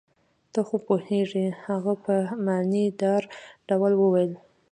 ته خو پوهېږې. هغه په معنی دار ډول وویل.